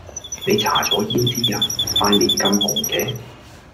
你搽左胭脂呀？塊臉咁紅嘅